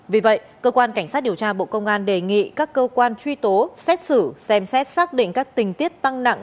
vì vậy cơ quan cảnh sát điều tra bộ công an đề nghị các cơ quan truy tố xét xử xem xét xác định các tình tiết tăng nặng